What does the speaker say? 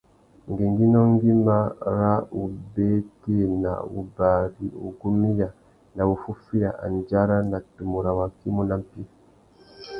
Ngüéngüinô ngüimá râ wubétēna, wubari, wugumiya na wuffúffüiya andjara na tumu râ waki i mú nà mpí.